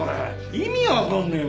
意味わかんねえよ